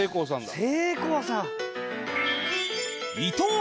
せいこうさん！